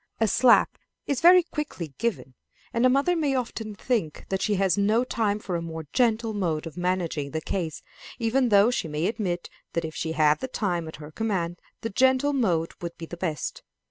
A slap is very quickly given, and a mother may often think that she has not time for a more gentle mode of managing the case, even though she may admit that if she had the time at her command the gentle mode would be the best.